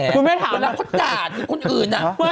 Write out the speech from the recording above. คุณแม่ถามแล้วเขาจ่าดอยู่คนอื่นอะ